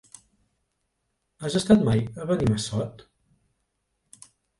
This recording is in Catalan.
Has estat mai a Benimassot?